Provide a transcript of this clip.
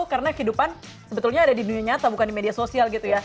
karena kehidupan sebetulnya ada di dunia nyata bukan di media sosial gitu ya